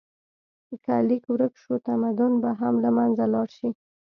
که لیک ورک شو، تمدن به هم له منځه لاړ شي.